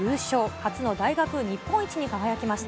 初の大学日本一に輝きました。